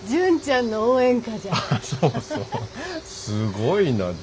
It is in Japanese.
すごいな。